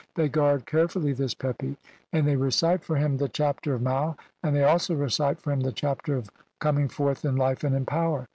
They guard care fully this Pepi, and they recite for him the 'Chapter "of Mau', and they also recite for him the 'Chapter "of coming forth in life and in power'.